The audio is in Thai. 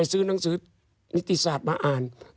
ต้นทุนหลวงพ่อกลับไม่ใช่ว่าไปดูถูก